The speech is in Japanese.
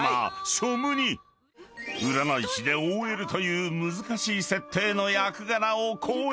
［占い師でＯＬという難しい設定の役柄を好演］